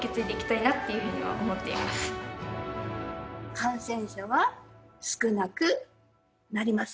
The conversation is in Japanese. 感染者は少なくなります。